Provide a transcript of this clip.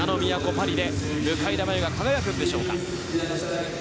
パリで向田真優は輝くんでしょうか。